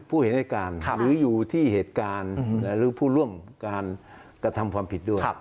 ผู้เห็นเหตุการณ์หรืออยู่ที่เหตุการณ์หรือผู้ร่วมการกระทำความผิดด้วย